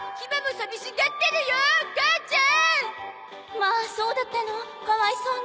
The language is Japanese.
まあそうだったのかわいそうに。